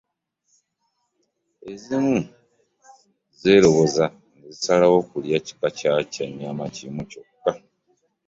Ezimu zeeroboza ne zisalawo kulya kika kya nnyama kimu kyokka.